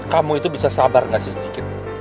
kamu itu bisa sabar gak sih sedikit